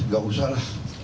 gak usah lah